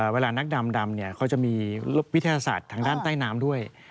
เวลานักดำเขาจะมีวิทยาศาสตร์ทางด้านใต้น้ำด้วย